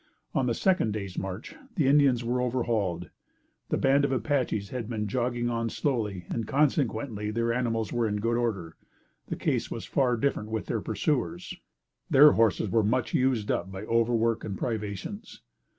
On the second day's march, the Indians were overhauled. The band of Apaches had been jogging on slowly, and consequently, their animals were in good order. The case was far different with their pursuers; their horses were much used up by overwork and privations.